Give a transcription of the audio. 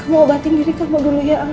kamu obatin diri kamu dulu ya ang